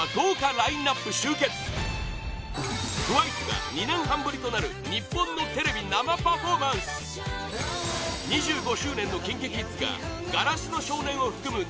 ＴＷＩＣＥが２年半ぶりとなる日本のテレビ生パフォーマンス２５周年のＫｉｎＫｉＫｉｄｓが「硝子の少年」を含む